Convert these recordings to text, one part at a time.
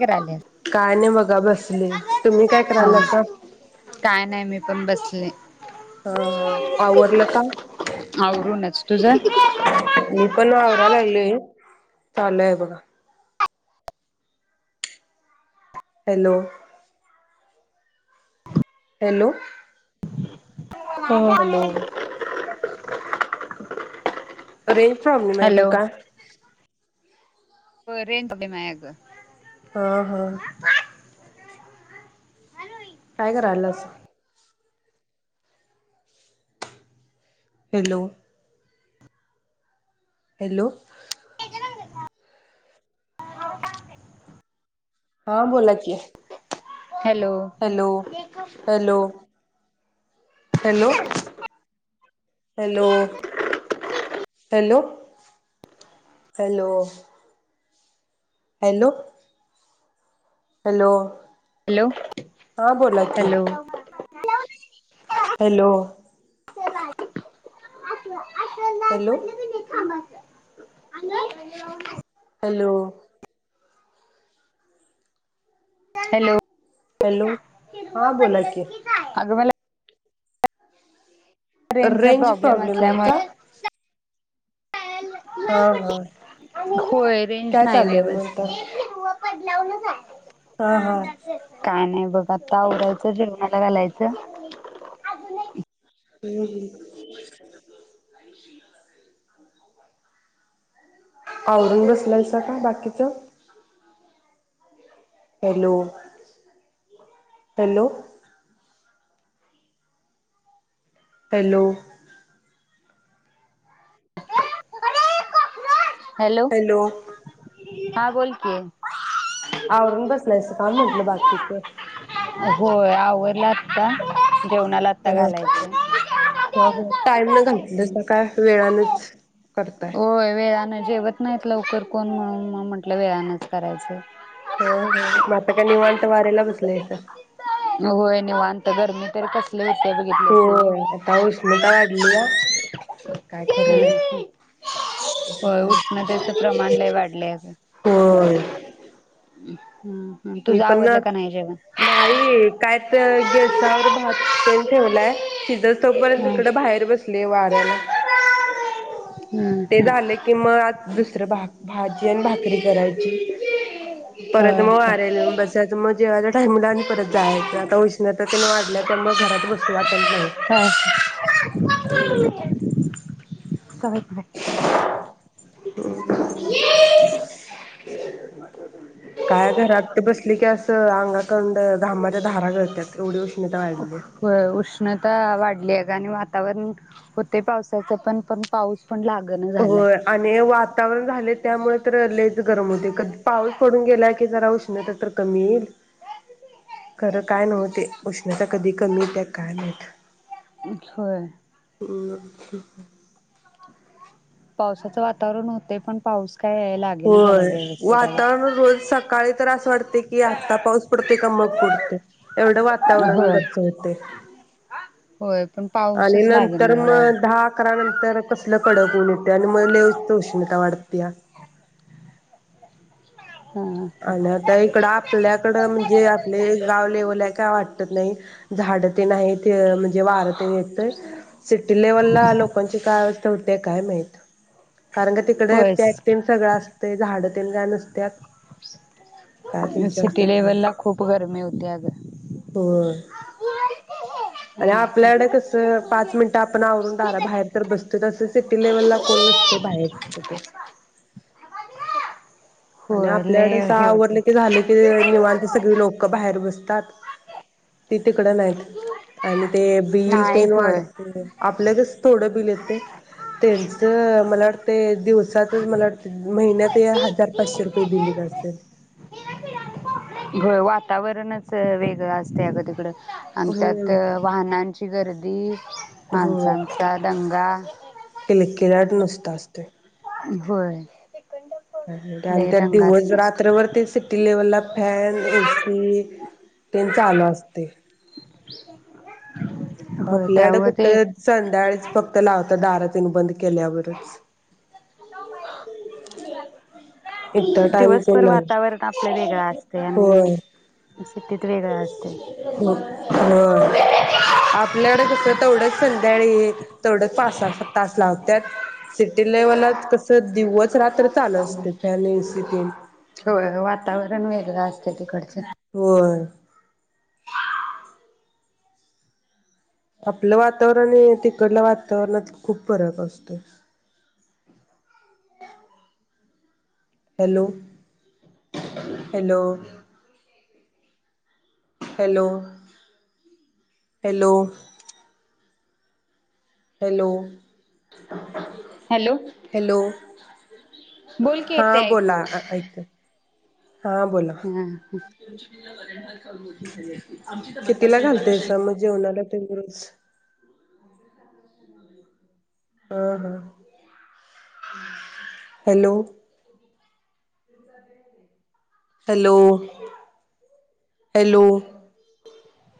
करायले काय नाही बघा बसले तुम्ही काय करायले आता काय नाही मी पण बसले हा हा आवरलं का आवरूनच तुझं मी पण आवरायला लागलेय. चालू हाय बघा. हॅलो हॅलो हॅलो अरे प्रॉब्लेम आहे का काय? बरेतेआहेत माया त हा हा टायगर आला अस हॅलो हॅलो हा बोला की, hello hello hello hello, hello, hello hello hello hello hello हा बोला की hello [inaudible] hello [inaudible] hello [unintelligible] hello hello hello, हा बोला की, अगं मला रेंजचा रेंज प्रॉब्लेम आहे का? असल्यामुळे हा हा होय, रेंज काय नाय चालू आहे मग आता? व्यवस्थित [inaudible] हा हा काय नाय बघ आता आवरायचं जेव आलं घालायचं [inaudible] आवरून बसलायसा का बाकीचं? हॅलो हॅलो हॅलो हॅलो हां बोल की, आवरून बसलायस का म्हंटलं बाकीचं होय, आवरल आता टाइम न घांतलं तर काय वेळानंच होय वेळानं जेवत नाहीत लवकर कोण म्हणून म म्हटलं वेळानंच करायचं तर मग आता काय निवांत? वाऱ्याला बसलंय इथं होय निवांत, गरमी तर कसली होते बघितलीस होय आता उष्णता वाढलीया काय खरं नाय नव्हे. होय हूं उष्णतेचं प्रमाण लय वाढलंय अगं. होय [inaudible] हम्म मी तुझं पण आवरलं आत, का नाही जेवण? नाही काय तर गेसावर [unintelligible] ठेवलाय शिजस तोपर्यंत हम्म इकडं बाहेर बस लई वाढवलाय... हम्म ते हम्म. झाले की म आज दुसर भाग... भाजी आणि भाकरी करायची परत म आत येऊन बसायचं मग जेवयचा टाईम [inaudible] कुठ जायच आता उष्णता पण वाढल्या तर मग घरात बसु वाटत पण नाही.... ह ह. काय घरात बसली की अस... त अंगाकंड घामाच्या धारा गळत्यात एवढी उष्ण होय उष्णता वाढली आहे आणि वात वातावरण होतय पावसाचं पण पण पाऊस पण लागण झालाय होय आणि हे वातावरण झाले त्यामुळे तर लइच गरम होते कधी पाऊस पडून गेला की जरा उष्णता तर कमी येईल खरं काय नव्ह ते उष्णता कधी कमी त्होत्या काय माहित होय [inaudible] पावसाचं वातावरण होतय पण पाऊस काय लागेना झालाय होय व्यवस्थित अग वातावरण रोज सकाळी तर अस वाटते कि आत्ता पाऊस पडतोय का मग पडतोय एवढं वातावरण होय गच्च होतंय होय पण आणि पाऊसच लागेना नंतर झाला मग दहा अकरा नंतर... तर कसलं कडक ऊन येतय आणि मग लईच उष्णता वाढतीया. अग आण आता इकडं आपल्याकडं म्हणजे आपले गाव लेवल काय वाटत नाही झाड ते नाहीत म्हणजे वार ते येतंय. सिटी लेव्हलला लोकांची काय? [unintelligible] काय माहित? कारण का तिकडे होय पॅटिंग सगळं अस ते झाड ते काय नसत्या.... कायते विचारते सिटी म्हणजे लेव्हलला खूप गरमी होती अग होय आणि आपल्याकडे कस पाच मिनिट आपण आवरून दारा बाहेर तर बसतो तस सिटी लेव्हलला कोण नसते बाहेर तिथं.. आणि होय आपल्याकड अस लय हे होते आवरलं की झाले की निवांत सगळी लोक बाहेर बस दात ते तिकडं नाहीत आणि ते बिल नाही तेन होय वाढते आपल कसं थोडं बिल येत त्यांच मला वाटतय दिवसाचच मला वाटत महिन्याच हजार.... पाचशे रुपये बिल येत असेल... होये वातावरणच वेगळं असतय अगं तिकडं आणि होय त्यात वाहनांची गर् [inaudible] होय माणसांचा दंगा [unintelligible] नुसत असतोय होय. आणि लय त्यात दंगा दिवस तेन असतो रात्रभर ते सिटी लेव्हलला फॅन एसी तेन चालू असतय. [inaudible] आपल्याकड त्यामुळे कुठ ते संध्याकाळीच फक्त लावतात दारात. बद केल्यावरच इतर टाइम कोण दिवसभर लावत वातावरण आपल वेगळ असतय होय. आणि सिटीत वेगळ असतय. स तेवढच संध्याकाळी तेवढच पा तास लावत सिटी लेव्हलत कस दिवस रात्र चालु असते फॅन एसी तेन च् तिकडच होय आपल वातावरण तिकडला वातावरणात खूप फरक असतोय. Hello hello hello hello hello hello hello बोल की हा येते बोला ऐकू ऐकते. हा बोला. [inaudible] मोठी झाली अस आमची तर कितीला बट्टासे आणि घालतायस बालुशाही मग [unintelligible] हा हा हा हॅलो हॅलो हॅलो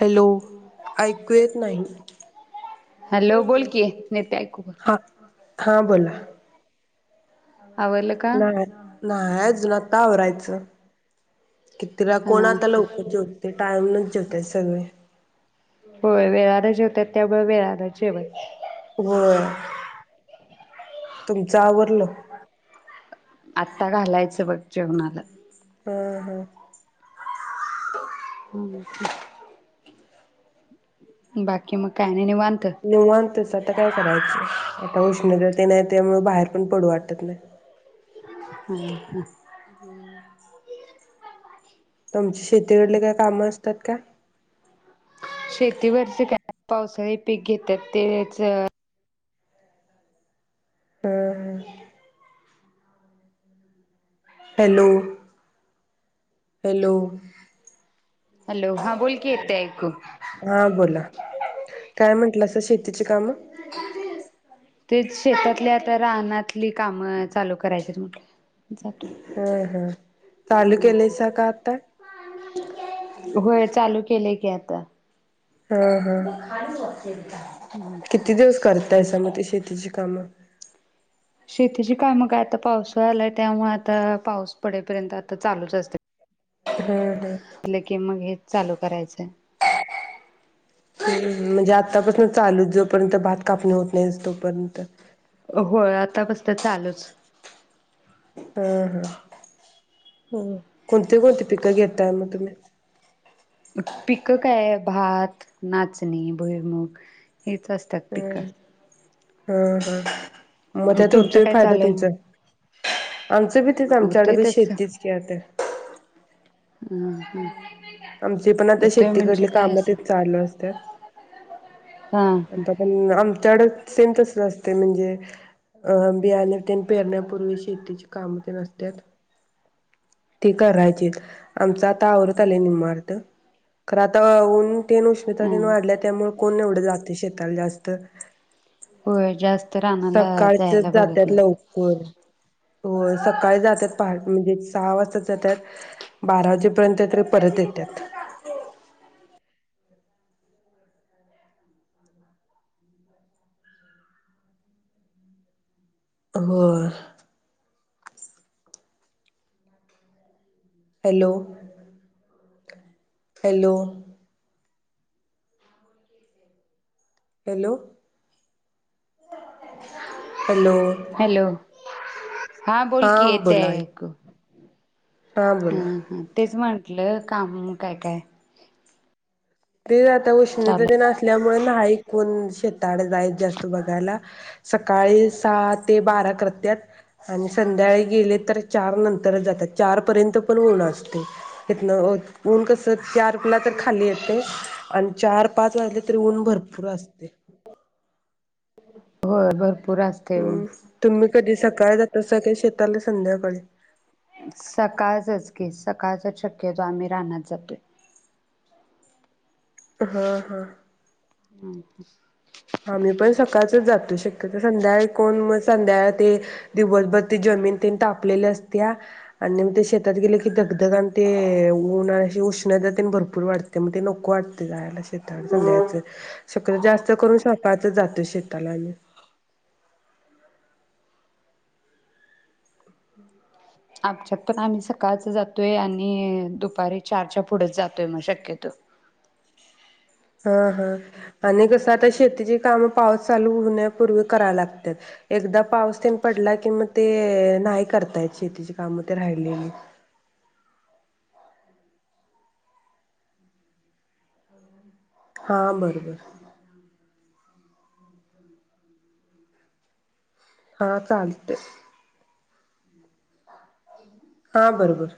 हॅलो ऐकू येत नाही हॅलो बोल की येते ऐकू बोल हा हा बोला आवरलं का नाह्य नाय अजून आता आवरायच. कि तिला हा कोण आता लवकर जेवते टाईमलाच जेवतय सगळे. हो लय आरे तर त्यामुळे वेलाण जेवा होय. तुमचं आवरलं आत्ता घालायच बघ. जेवणाला हा हा [inaudible] बाकी म काय नाही निवांत निवांतच आता काय करायच. आता उष्णता ते नाही त्यामुळे बाहेर पण पडू वाटत नाय. हां हां [unintelligible] शेतीकडलं काय काम अस त्यात काय शेतीवरचे काय पावसाळी पीक घेतात तेचं हा हा हॅलो हॅलो हॅलो हा बोलं की येतंय ऐकू हा बोला काय म्हंटलंस शेतीच कामं तेच शेतातील आता रानातली कामं चालू करायचे म्हटले हं हं चालू केलंयसा का आता [unintelligible] होय चालू केले की ता हा हा किती दिवस करताय समती शछेतीची कामं शेतीची काय म काय आता पावसा आलाय त्यामुळे आता पाऊस पडेपर्यंत आता चालूच असते. हम्म म्हटलं की मग हे चालू करायचंय होय हम् म्हणजे आतापसून चालू जो पर्यंत भात कापणी होत नाही तो पर्यंत हो आता बसता चालूच होय होय. कोणती कोणती पिकं घेताय मग तुम्ही पिकं काय आहे भात नाचणी भईमुूग हीच असतात पिकं. हा हा मग त्यात तुमचं होतं काय फायदा चालूय मग तुमचा, आमचं बी तेच आमच्याकड होतय बी तस शेतीच की अता ह आमचे पण आता होतय शेतीकडली म्हणजे काय काम असं तेच चालला असतात हा ह आता पण आम तेडयात सेम तस असते म्हणजे अ बियाणे तेन पेरण्यापूर्वी शेतीचे काम ते नसतेत ते करायचेत. आमचा आता आवरत आलाय निमअरद खरं आताऊन तेन उष्मिता हा तेन वाढल्या त्यामुळे कोण एवढं जाते शेताला जास्त होय जास्त रानाला सकाळच्याच जायला बघत जातात नाही लवकर सकाळी जातात पहा म्हणजे सहा वाजता जातात बारा वाजेपर्यंत तरी परत येतात. हो hello hello hello hello hello हा बोल कि येत बोला ऐक हा हा तेच मत कलं काम काय काय तेच आाता उष्णता चालू तेन असल्यामुळे मून शेताड जाय जास्त बघायला सकाळी सहा ते बारा करत्यात आणि संध्याळी गेले तर चार नंतरच जातात चारपर्यंत पण ऊन असतय तिथन उ ऊन कसं चार कुला तर खाली येत आणि चार पाच वाजले तरी ऊन भरपूर असते. हो भरपूर असतय ऊन हम तुम्ही कधी सकाळी जात्यासा काय शेत संध्याकाळी सकाळचच की, सकाळचा शक्यतो आम्ही रानात जातो हा हा ह हा मी पण सकाळचच जातो शकत्योतर संध्याकाळी कोण मग संध्या ते दिवसभर त जमीन तेन तापलेली असततीया आणि निम ते शेत कधी गेले की धगधग आणि ते ते उन्हा अशी उष्ण जात भरपूर वाटते मग ते नको वाटते जायला संध्याकाळी शक्यतो जातो शेतालाआणि आमच्यात पण आम्ही सकाळच जातोय आणि दुपारी चारच्या पुढेच जातो. न शक्यतो हा हा आणि कसं आता शेतीची काम पाऊस चालू होण्यापूर्वी कराय लागतात एकदा पाऊस तेन पडला कि, म ते नाही करतायत शेतीची काम ते राहिलेली. हा बरोबर हा चालतय हा बरोबर